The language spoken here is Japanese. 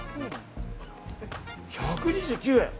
１２９円！